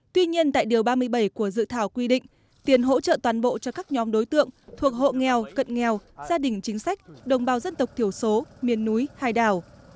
tuy nhiên tại điều ba mươi bảy của dự thảo quy định tiền hỗ trợ toàn bộ cho các nhóm đối tượng thuộc hộ nghèo cận nghèo gia đình chính sách đồng bào dân tộc thiểu số miền núi hải đảo